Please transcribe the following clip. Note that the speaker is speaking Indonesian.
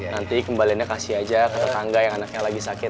nanti kembaliannya kasih aja ke tetangga yang anaknya lagi sakit